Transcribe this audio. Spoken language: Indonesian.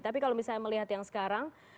tapi kalau misalnya melihat yang sekarang